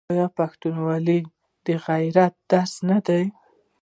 آیا پښتونولي د غیرت درس نه دی؟